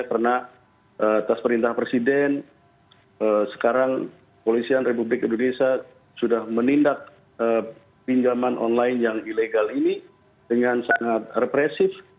karena atas perintah presiden sekarang polisian republik indonesia sudah menindak pinjaman online yang ilegal ini dengan sangat represif